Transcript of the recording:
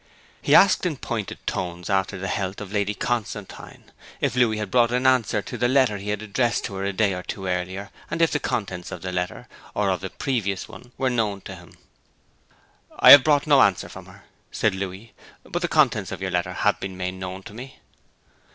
He asked in pointed tones after the health of Lady Constantine; if Louis had brought an answer to the letter he had addressed to her a day or two earlier; and if the contents of the letter, or of the previous one, were known to him. 'I have brought no answer from her,' said Louis. 'But the contents of your letter have been made known to me.'